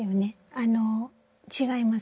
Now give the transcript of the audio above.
あの違います。